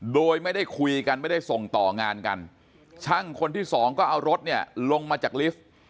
โดยไม่ได้คุยกันไม่ได้ส่งต่องานกันช่างคนที่สองก็เอารถเนี่ยลงมาจากลิฟต์